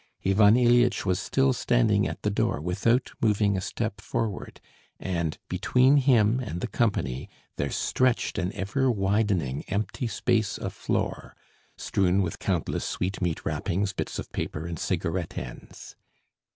Ivan Ilyitch was still standing at the door without moving a step forward, and between him and the company there stretched an ever widening empty space of floor strewn with countless sweet meat wrappings, bits of paper and cigarette ends.